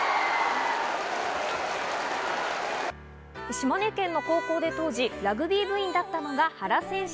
島根県の高校で当時ラグビー部員だったのが原選手。